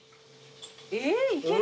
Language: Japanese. えいける？